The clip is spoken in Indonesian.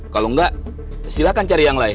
kalau enggak silahkan cari yang lain